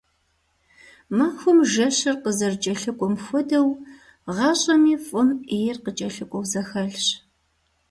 Махуэм жэщыр къызэрыкӀэлъыкӀуэм хуэдэу, гъащӀэми фӀым Ӏейр кӀэлъыкӀуэу зэхэлъщ.